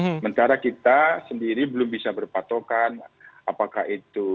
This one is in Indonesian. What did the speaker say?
sementara kita sendiri belum bisa berpatokan apakah itu